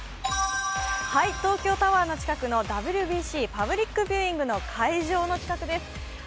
東京タワーの近くのＷＢＣパブリックビューイング会場の近くです。